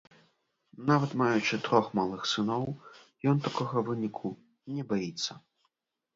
Нават маючы трох малых сыноў, ён такога выніку не баіцца.